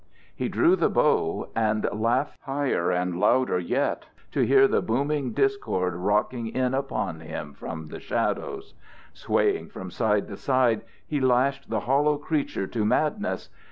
He drew the bow, and laughed higher and louder yet to hear the booming discord rocking in upon him from the shadows. Swaying from side to side, he lashed the hollow creature to madness.